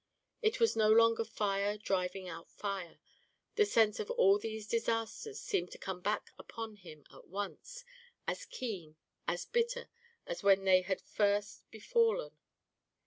It was no longer fire driving out fire; the sense of all these disasters seemed to come back upon him at once, as keen, as bitter as when they had first befallen.